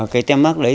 cái tem mắc đấy